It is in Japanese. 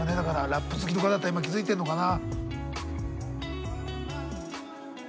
ラップ好きとかだったら今気付いてるのかな。